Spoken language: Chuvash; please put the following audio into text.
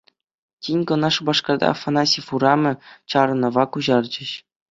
Тин кӑна Шупашкарта «Афанасьев урамӗ» чарӑнӑва куҫарчӗҫ.